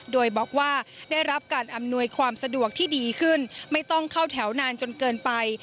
โดยบอกว่าได้รับการอำนวยความสะดวกที่ดีขึ้นไม่ต้องเข้าแถวนานจนเกินไป